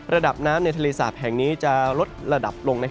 ระดับน้ำในทะเลสาปแห่งนี้จะลดระดับลง